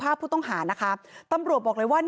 ผู้ต้องหานะคะตำรวจบอกเลยว่า